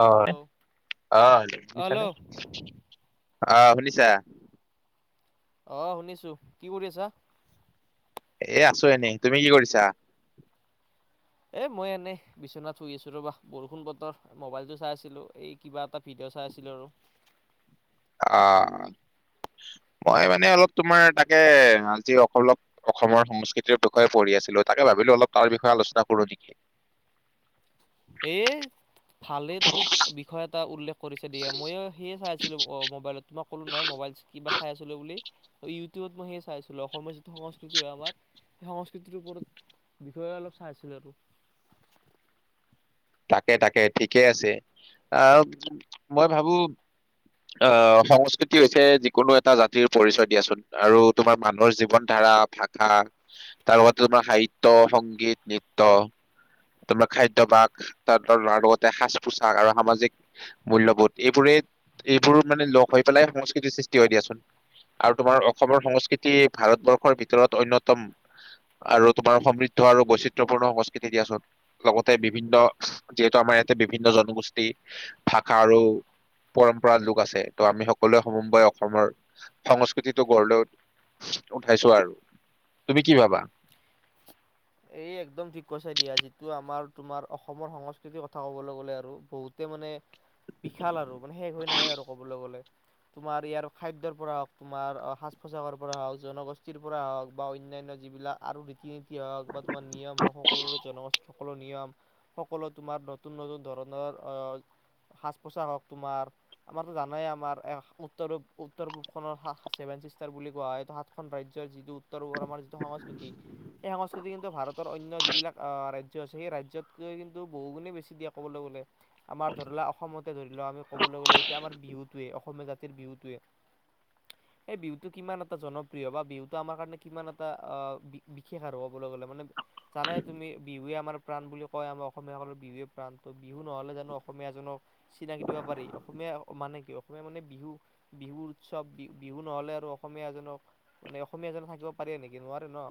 অই, অ' [unintelligible] হেল্ল' শুনিছানে? আ- শুনিছা? অহ্ শুনিছো, কি কৰি আছা? এ আছো এনেই, তুমি কি কৰিছা? এ মই এনেই, বিছনাত শুই আছো ৰ'বা, বৰষুণ বতৰ মোবাইলটো চাই আছিলো এই কিবা এটা ভিডিঅ' চাই আছিলো আৰু আ-অ্, মই মানে অলপ তোমাৰ তাকে, আজি অকলপ, অসমৰ সংস্কৃতিৰ প্ৰশয়ে পঢ়ি আছিলো তাকে ভাবিলো অলপ তাৰ বিষয়ে আলোচনা কৰো নিকি এ, ভালে তুমিত বিষয় এটা উল্লেখ কৰিছে দিয়া মইয়ো সিয়ে চাই আছিলো অ মোবাইলত ম ক'লো নহয় মোবাইলচ্ কিবা চাই আছিলো বুলি ইউটিউত মই সেয়ে চাই আছিলোঁ অসমৰ যি সংস্কৃতি হয় আমাৰ সে-সংস্কৃতিটো ওপৰত, বিষয়ে অলপ চাই আছিলোঁ আৰু তাকে-তাকে ঠিকেই আছে, আউপ, মই ভাবোঁ, অ সংস্কৃতি হৈছে যিকোনো এটা জাতিৰ পৰিচয় দিয়াচোন আৰু তোমাৰ মানুহৰ জীৱন ধাৰা ভাষা, তাৰ লগতটো তোমা সাহিত্য, সংগীত, নৃত্য, তোমা খাদ্যাভ্যাস তাৰ তাৰলাগতে সাজ-পোছাক আৰু সামাজিক, মূল্যবোধ এইবোৰেই, এইবোৰ মানে লগ হৈ পেলাই সংস্কৃতিৰ সৃষ্টি হয় দিয়াচোন আৰু তোমাৰ অসমৰ সংস্কৃতি ভাৰতবৰ্ষৰ ভিতৰত অন্যতম আৰু তোমাৰ সমৃদ্ধ আৰু বৈচিত্ৰ্যপূৰ্ণ সংস্কৃতি দিয়াচোন, লগতে বিভিন্ন যিহেতু আমাৰ ইয়াতে বিভিন্ন জনগোষ্ঠী, ভাষা আৰু পৰম্পৰা লোক আছে, ত আমি সকলোৱে সমম্বয় অসমৰ, সংস্কৃতিটো গঢ়লৈ উঠাইছো আৰু, তুমি কি ভাবা? এই একদম ঠিক কৈছাই দিয়া যিটো আমাৰ, তোমাৰ অসমৰ সংস্কৃতিৰ কথা কবলৈ গলে আৰু বহুতে মানে, বিশাল আৰু মানে শেষ হৈ নাহে আৰু ক'বলৈ গ'লে, তোমাৰ ইয়াৰো খাদ্যৰ পৰা হক তোমাৰ অহ ', সাজ-পোছাকৰ পৰা হাউছ জনগোষ্ঠীৰ পৰা হাওক বা অন্যান্য যিবিলা আৰু ৰিতি নীতি হওক বা কলৰ নিয়ম, সকলো তোমাৰ নতুন-নতুন ধৰণৰ অহ ', সাজ-পোছাকহক তোমাৰ, আমাৰতো জানাই আমাৰ এশ উত্তৰূপ উত্তৰ-পূবখনৰ শাখ্ চেভেন-চিষ্টাৰ বুলি কোৱা হয়টো সাতখন ৰাজ্য যিটো তাৰোপৰ আমাৰ যিটো সংস্কৃতি, এ-সংস্কৃতি। ভাৰতৰ অন্য যিবিলাক আহ ', ৰাজ্য আছে, সেই ৰাজ্যতকৈ কিন্তু বহুগুণে বেছি দিয়া ক'বলৈ গ'লে। আমাৰ ধৰলা অসমত। এ ধৰি-লোৱা আমি কবলৈ গলে এত্যিয়া আমাৰ বিহুটোৱে অসমীয়া জাতিৰ বিহুটোৱে, এই বিহুটো কিমান এটা জনপ্ৰিয় বা বিহুটো আমাৰ কাৰণে কিমান এটা আহ ', বিক্-বিশেষ কবলৈ গ'লে। [unintelligible] যানায় তুমি বিহুৱে আমাৰ প্ৰাণ বুলি কয় আমি অসমীয়াসকল বিহুৱে প্ৰাণ তৌ- বিহু ন'হলে জানো অসমীয়াজনক, চিনাকি দিব পাৰি? অস-মীয়া মানে কি? অসমীয়া মানে বিহু, বিহু উৎসৱ বি-বিহু ন'হলে আৰু অসমীয়াজনক, মানে অসমীয়াজনক থাকিব পাৰে নেকি? কি নোৱাৰে ন?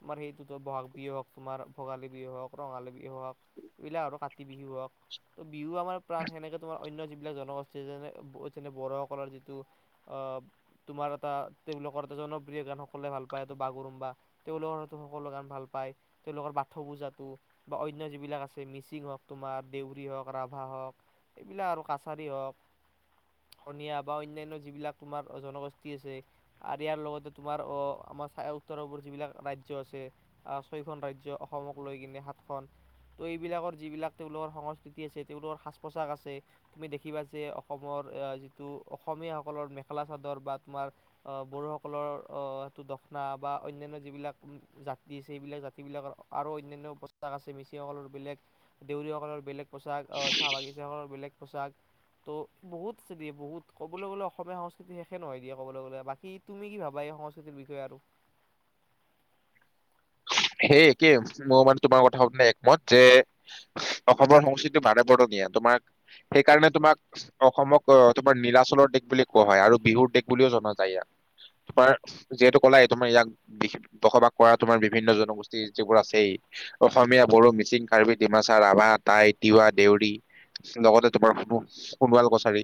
তোমাৰ সেইটো ত ব'হাগ বিহু হওক তোমাৰ ভোগালী বিহু হওক ৰঙালী বিহু হওক এইবলিলাক আৰু কাতি বিহু হওক ত বিহু আমাৰ প্ৰাণ। সেনেকে তোমাৰ অন্য যিবিলাক জনগোষ্ঠী যেনে যেনে বড়োসকলৰ যিটো অহ ', তোমাৰ এটা তেওঁলোকৰ এটা জনপ্ৰিয় গান সকলে ভাল পায় সটো বাগৰুম্বা তেওঁলোকৰ সকলো গান ভাল পায় তেওঁলোকৰ বাথ পূজাটো বা অন্য যিবিলাক আছে মিচিং হওক তোমাৰ দেউৰী হওক ৰাভা হওক এইবিলাক আৰু কাছাৰী হওক সনিয়া বা অন্যান্য যিবিলাক তোমাৰ জনগোষ্ঠী আছে আৰু ইয়াৰ লগতে তোমাৰ অঁহ ', আমাৰ উত্তৰপূৰ্ব যিবিলাক ৰাজ্য আছে। দে ছয়খন ৰাজ্য অসমক লৈ কিনে সাতখন ত' এইবিলাকৰ যিবিলাক তেওঁলোকৰ সংস্কৃতি আছে তেওঁলোকৰ সাজ পোছাক আছে তুমি দেখিবা যে অসমৰ অহ ', যিটো অসমীয়াসকলৰ মেখেলা চাদৰ বা তোমাৰ অহ ', বড়োসকলৰ আহটো দক্ষণা বা অন্যান্য যিবিলাক জাতি আছে সেইবিলাক জাতি বিলাকৰ আৰু অন্যান্য পোচাক আছে মিচিসকলৰ বেলেগ দেউৰীসকলৰ বেলেগ। পোচাক চাহ বাগিচাৰ বেলেগ। পোচাক ত' বহুত আছে দিয়ে বহুত ক'বলৈ গ'লে অসমীয়া সংস্কৃতি শেষে নহয় দিয়ে ক'বলৈ গলে বাকী তুমি কি ভাবা এই সংস্কৃতিৰ বিষয়ে আৰু? সেই একে মোৰ মানে তোমাৰ কথাব একমত যে অসমৰ সংস্কৃতি বাৰেবৰণীয়া তোমাক সেইকাৰণে তোমাক অসমক তোমাৰ নীলাচলৰ দিশ বুলি কোৱা হয় আৰু বিহুৰ দেশ বুলিও জনা যায়। ইয়াক তোমাৰ যিহেতু কলাই তোমাৰ ইয়াক বসবাস কৰা তোমাৰ বিভিন্ন জনগোষ্ঠী যিবোৰ আছেই অসমীয়া, বড়ো, মিচিং, কাৰ্বি, ডিমাচা, ৰাভা, তাই, তিৱা, দেউৰী লগতে তোমাৰ স -সণোৱাল কছাৰী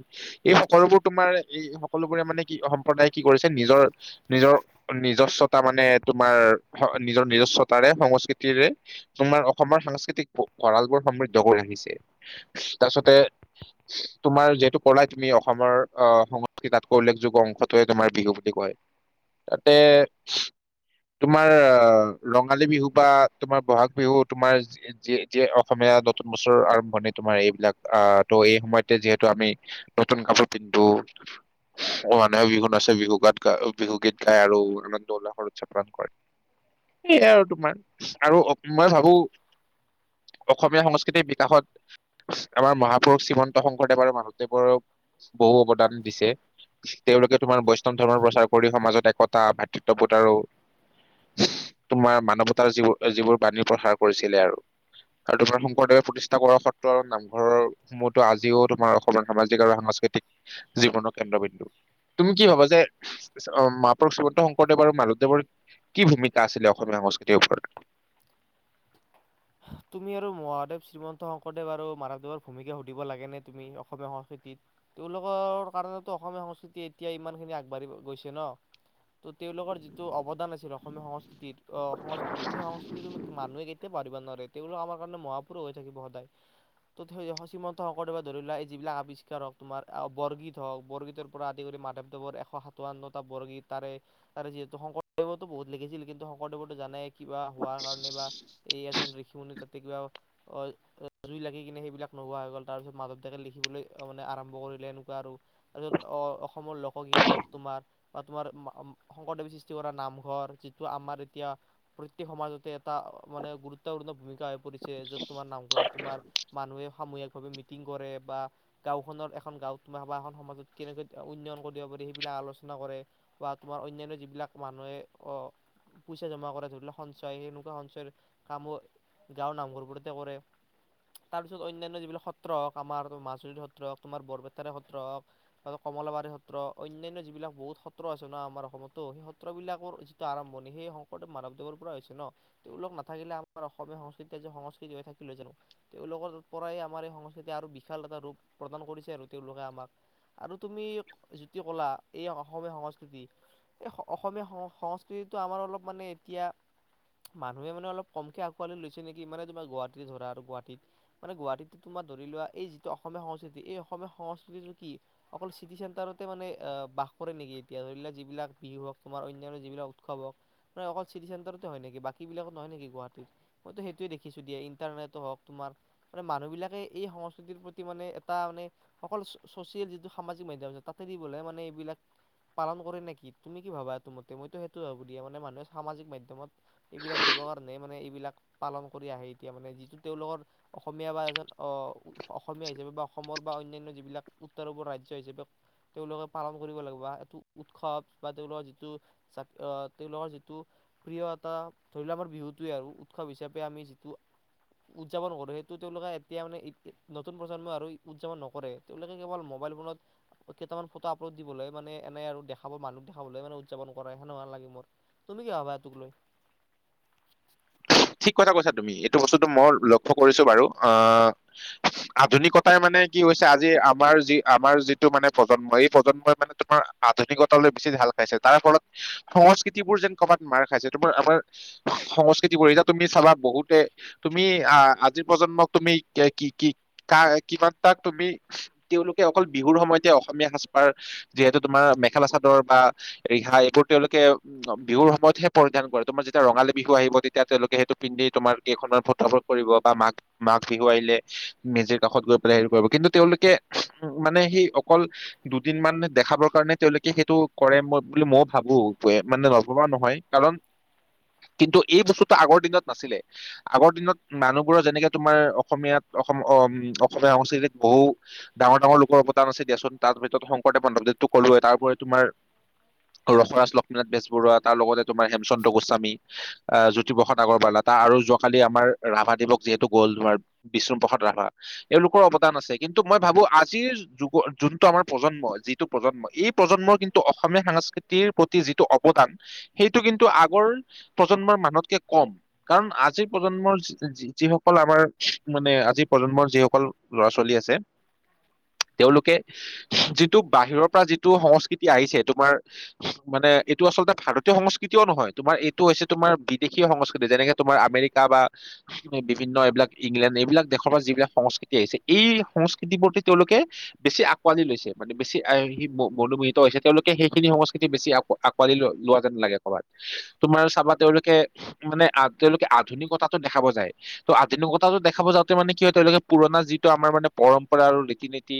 এই সকলোবোৰ তোমাৰ এই সকলোবোৰে মানে কি সম্প্ৰদায়ে কি কৰিছে নিজৰ- নিজৰ নিজস্বতা মানে তোমাৰ নিজৰ নিজস্বতাৰে সংস্কৃতিৰে তোমাৰ অসমৰ সাংস্কৃতিক ভঁৰাল বোৰ সমৃদ্ধ কৰি ৰাখিছে। তাৰপিছতে তোমাৰ যিহেতু কলাই তুমি অসমৰ অহ ', সংস্কৃতি তাতকৈ উল্লেখযোগ্য অংশটোৱে তোমাৰ বিহু বুলি কয়। তাতে তোমাৰ অহ ', ৰঙালী বিহু বা তোমাৰ বহাগ বিহু তোমাৰ যে- যে অসমীয়া নতুন বছৰ আৰম্ভণি তোমাৰ এইবিলাক আহ ত এই সময়তে যিহেতু আমি নতুন কাপোৰ পিন্ধো মানুহ বিহু চানুহ বিহু গ বিহুগীত গাই আৰু আৰু দৌল নামৰ উদযাপন কৰে। সেইয়াই আৰু তোমাৰ আৰু মই ভাবো অসমীয়া সংস্কৃতিৰ বিকাশত আমাৰ মহাপুৰুষ শ্ৰীমন্ত শংকৰদেৱ আৰু মাধৱদেৱৰ বহু অৱদান দিছে। তেওঁলোকে তোমাৰ বৈষ্ণৱ ধৰ্মৰ প্ৰচাৰ কৰি সমাজত একতা ভাতৃত্ববোধ আৰু তোমাৰ মানৱতাৰ য যিবোৰ বাণী প্ৰসাৰ কৰিছিলে আৰু আৰু তোমাৰ শংকৰদেৱে প্ৰতিষ্ঠা কৰ সত্ৰ আৰু নামঘৰৰ সমূহতো আজিও তোমাৰ অসমৰ সামাজিক আৰু সাংস্কৃতিক জীৱনৰ কেন্দ্ৰবিন্দু। তুমি কি ভাবা যে মাপুৰুষ শ্ৰীমন্ত শংকৰদেৱ আৰু মাধৱদেৱৰ কি ভূমি আছিলে অসমীয়া সংস্কৃতিৰ ওপৰত? তুমি আৰু মহাদেৱ শ্ৰীমন্ত শংকৰদেৱ আৰু মাধৱদেৱৰ ভূমিকা সুধিব লাগে নে তুমি অসমীয়া সংস্কৃতিত তেওঁওলোকৰ কাৰণটো অসমীয়া সংস্কৃতি এতিয়া ইমান খিনি আগবাঢ়ি গৈছে ন ত' তেওঁলোকৰ যিটো অৱদান আছিল অসমীয়া সংস্কৃতি অহ ', সংস্কতিত সেই সংস্কৃতিতো মানুহে কেতিয়া পাহৰিব নোৱাৰে। দনো আমাৰ কাৰণে মহাপুৰুষ হৈ থাকিব সদায় ত শ্ৰীমন্ত শংকৰদেৱে ধৰি লা যিবিলাক আৱিষ্কাৰ হওক তোমাৰ বৰগীত হওক বৰগীতৰ পৰা আদি কৰি মাধেৱদেৱৰ এশ সাতাৱন্নটা বৰগীত তাৰে তাৰে যিহেতু শংকৰদেৱতো বহুত লিখিছিল কিন্তু শংকৰদেৱতো জানেয়ে কিবা হোৱাৰ কাৰণে বা এই আচল ৰি তাতে কিবা অহ ', জুই লাগি কিনে সেইবিলাক নোহোৱা হৈ গল তাৰ পিছত মাধৱতাকে লিখিবলৈ মানে আৰম্ভ কৰিলে। এনেকুৱা আৰু তাৰপিছত আহ অসমৰ লোকগীতে হওক তোমাৰ বা তোমাৰ শংকৰদেৱে সৃষ্টি কৰা নামঘৰ যিটো আমাৰ এতিয়া প্ৰত্যেক সমাজতে এটা মানে গুৰুত্বপূৰ্ণ ভূমিকা হৈ পৰিছে য'ত তোমাৰ নামঘৰত তোমাৰ মানুহে সামূহিক ভাৱে মিটিং কৰে বা গাওখনৰ এখন গাঁওত তোমাৰ বা এখন সমাজত কেনেকৈ উন্নয়ন কৰি দিব পাৰি সেইবিলাক আলোচনা কৰে বা তোমাৰ অন্যান্য যিবিলাক মানুহে অহ ', পইচা জমা কৰে ধৰি লোৱা সঞ্চয় সনেকুৱা সঞ্চয়ৰ কামো গাঁওৰ নামঘৰবোৰতে কৰে তাৰ পিছত অন্যান্য যিবিলাক সত্ৰ হওক আমাৰ মাজুলীৰ সত্ৰ হওক তোমাৰ বৰপেটাৰে সত্ৰ হওক ত কলাবাৰীৰ সত্ৰ অন্যান্য যিবিলাক বহুত সত্ৰ আছে ন আমাৰ অসমতো সেই সত্ৰবলাকৰ যিটো আৰম্ভণি সেই শংকৰদেৱ মাধৱদেৱৰ পৰা হৈছে ন। তেওঁলোক নাথাকিলে আমাৰ অস অসমীয়া সংস্কৃতি সংস্কৃতি হৈ থাকিলে জানো? তেওঁলোকৰ পৰাই আমাৰ এই সংস্কৃতি আৰু বিশাল এটা ৰূপ প্ৰদান কৰিছে আৰু তেওঁলোকে আমাৰ আৰু তুমি যদি কলা এই অসমীয়া সংস্কৃতি এই অসমীয়া সং সংস্কৃতিটো আমাৰ অলপ মানে এতিয়া মানুহে মানে অলপ কমকে আ আঁকোৱালি লৈছে নেকি মানে তোমাৰ গুৱাহাটী ধৰা আৰু গুৱাহাটীত মানে গুৱাহাটীত তোমাৰ ধৰি লোৱা এই যিটো অসমীয়া সংস্কৃতি এই অসমীয়া সংস্কৃতিটো কি অকল চিটি চেণ্টাৰতে মানে বাস কৰে নেকি এতিয়া ধৰি লোৱা যিবিলাক বিহু হওক তোমাৰ অন্যান্য যিবিলাক উৎসৱ হওক অকল চিটি চেটাৰতে হয় নেকি বাকী বিলাকত নহয় নেকি গুৱাহাটীত। মইতো সেইটোয়ে দেখিছো দিয়া ইণ্টাৰনেটো হওক তোমাৰ মানে মানুহবিলাকে এই সংস্কৃতিৰ প্ৰতি মানে এটা মানে অকল চচিয়েল যিটো সামাজিক মাধ্যম আছে তাতে দিবলে মানে এইবিলাক পালন কৰে নেকি? তুমি কি ভাবা এইটো মতে মইতো সেইটো ভাবো দিয়া মানে মানুহে সামাজিক মাধ্যমত এইবিলাক দিবৰ কাৰণে মানে এইবিলাক পালন কৰি আহে এতিয়া মানে যিটো তেওঁলোকৰ অসমীয়া বা এজন অহ ', অসমীয়া হিচাপে বা অসমৰ বা অন্যান্য যিবিলাক উত্তৰ পূবৰ ৰাজ্য হিচাপে তেওঁলোকে পালন কৰিব লাগিব। এইটো উৎসৱ বা তেওঁলোকৰ যিটো অহ ', তেওঁলোকৰ যিটো প্ৰিয় এটা ধৰি লোৱা আমাৰ বিহুটোৱে আৰু উৎসৱ হিচাপে আমি যিটো উদযাপন কৰো সেইটো তেওঁলোকে এতিয়া মানে নতুন প্ৰজন্ম আৰু উদযাপন নকৰে তেওঁলোকে কেৱল মোবাইল ফোনত কেইটামান ফটো আপলোড দিবলৈ মানে এনে আৰু দেখাব মানুহক দেখাবলৈ মানে উদযাপন কৰে হেনে লাগে মোৰ তুমি কি ভবা এইটোক লৈ? ঠিক কথা কৈছা তুমি এইটো বস্তুতটো মই লক্ষ্য কৰিছো বাৰু আহ ', আধুনিকতাই মানে কি হৈছে আজি আমাৰ যি আমাৰ যিটো মানে প্ৰজন্ম এই প্ৰজন্মই মানে তোমাৰ আধুনিকতালৈ বেছি ঢাল খাইছে তাৰ ফলত সংস্কৃতিবোৰ যেন কবাত মাৰ খাইছে। তোমাৰ আমাৰ সংস্কৃতিবোৰ তুমি চাবা বহুতে তুমি আহ', আজিৰ প্ৰজন্মক তুমি কি কি - কি কিমান তাক তুমি তেওঁলোকে অকল বিহুৰ সময়তে অসমীয়া সাজ পাৰ যিহেতু তোমাৰ মেখেলা চাদৰ বা ৰিহা এইবোৰ তেওঁলোকে উম ', বিহুৰ সময়তহে পৰিধান কৰে তোমাৰ যেতিয়া ৰঙালী বিহু আহিব তেতিয়া তেওঁলোকে সেইটো পিন্ধি তোমাৰ কেইখনৰ ফটো শ্বুট কৰিব বা মাক মাঘ বিহু আহিলে মেজিৰ কাষত গৈ পেলাই হেৰি কৰিব কিন্তু তেওঁলোকে মানে সেই অকল দুদিন মান দেখাবৰ কাৰণে তেওঁলোকে সেইটো কৰেই বুলি মই ভাবো মানে নভবা নহয় কাৰণ কিন্তু এই বস্তু। আগৰ দিনত নাছিলে আগৰ দিনত মানুহবোৰৰ যেনেকে তোমাৰ অসমীয়াত অসম অসমীয়া সংস্কৃতিত বহু ডাঙৰ, ডাঙৰ লোকৰ অৱদান আছে দিয়াচোন তাৰ ভিতৰত শংকৰদেৱ মাধৱদেৱতো কলোৱে তাৰপৰি তোমাৰ ৰসৰাজ লক্ষ্মীনাথ বেজবৰুৱা তাৰ লগতে তোমাৰ হেমচন্দ্ৰ গোস্বামী, এ জ্যোত প্ৰসাদ আগৰৱালা, তাৰ আৰু যোৱাকালি আমাৰ ৰাভা দিৱস যিহেতু গ'ল ধৰা বিষ্ণুপ্ৰসাদ ৰাভা এওঁলোকৰ অৱদান আছে। কিন্তু মই ভাবো আজিৰ যুগত যোনটো আমাৰ প্ৰজন্ম যিটো প্ৰজন্ম এই প্ৰজন্মৰ কিন্তু অসমীয়া সংস্কৃতি প্ৰতি যিটো অৱদান সেইটো কিন্তু আগৰ প্ৰজন্মৰ মানত কম। কাৰণ আজিৰ প্ৰজন্মৰ যিসকল আমাৰ মানে আজিৰ প্ৰজন্মৰ যিসকল ল'ৰা-ছোৱালী আছে তেওঁলোকে যিটো বাহিৰৰ পৰা যিটো সংস্কৃতি আহিছে তোমাৰ মানে এইটো আচলতে ভাৰতীয় সংস্কৃতিও নহয় তোমাৰ এইটো হৈছে তোমাৰ বি দেশীয় সংস্কৃতি। যেনেকে তোমাৰ আমেৰিকা বা বিভিন্ন এইবিলাক ইংলেণ্ড এইবিলাক দেশৰ পৰা যিবিলাক সংস্কৃতি আহিছে এই সংস্কৃতিবোৰ তেওঁলোকে বেছি আকোৱালি লৈছে। বেছি মনোমোহিত হৈছে তেওঁলোকে সেইখিনি সংস্কৃতি বেছি আঁকোৱালি লোৱা যেন লাগে ক'বাত তোমাৰ চাবা তেওঁলোকে মানে তেওঁলোকে আধুনিকতাটো দেখাব যায়। ত আধুনিকতাটো দেখাব যাওঁতে মানে কি হয় তেওঁলোকে পুৰণা যিটো আমাৰ মানে পৰম্পৰা আৰু ৰীতি নীতি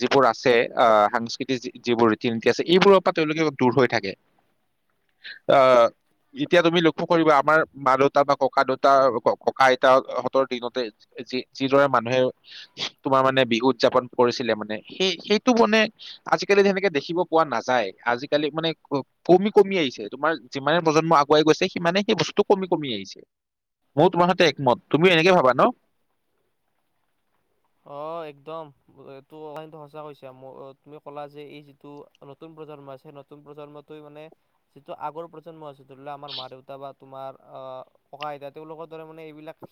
যিবোৰ আছে আহ সাংস্কৃতিক যিবোৰ ৰীতি নীতি আছে এইবোৰৰ পৰা তেওঁলোকে দূৰ হৈ থাকে। আহ যেতিয়া তুমি কিনো কৰিবা আমাৰ মা দেউতা বা ককা দেউতা ককা আইতাহঁতৰ দিনতে যি যিদৰে মানুহে তোমাৰ মানে বিহু উদযাপন কৰিছিলে মানে সেই সেইটো মানে আজিকালি তেনেকে দেখিব পোৱা নাযায়। আজিকালি মানে কমি, কমি আহিছে। তোমাৰ যিমানে প্ৰজন্ম আগুৱাই গৈছে মানে সেই বস্তুটো কমি কমি আহিছে। মই তোমাৰ সৈতে একমত তুমিও এনেকে ভাবা ন? অ' একদম এইটো কথা সঁচা কৈছা। তুমি ক'লা যে এই যিটো নতুন প্ৰজন্ম আছে সেই নতুন প্ৰজন্মটোৱে মানে যিটো আগৰ প্ৰজন্ম আছে ধৰি লওঁক আমাৰ মা-দেউতা বা তোমাৰ আহ ককা-আইতা তেওঁলোকৰ দৰে মানে এইবিলাক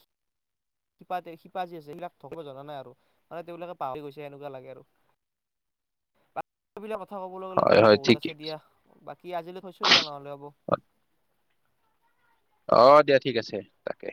শিপা, শিপা যি আছে সিবিলাক ধৰিব জনা নাই আৰু মানে তেওঁলোকে পাহৰি গৈছে এনেকুৱা লাগে আৰু। বিলাক কথা কবলৈ গ'লে হয় হয় ঠিক বহুত আছে দিয়া। বাকী আজিলৈ থৈছো দিয়া নহলে হবৌ। অ' দিয়া ঠিক আছে তাকে।